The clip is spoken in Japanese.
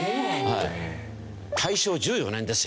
大正１４年ですよ。